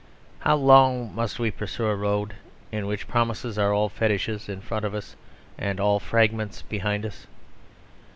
How long must we pursue a road in which promises are all fetishes in front of us and all fragments behind us?